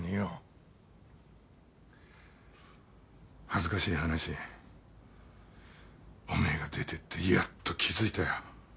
恥ずかしい話おめえが出てってやっと気付いたよ。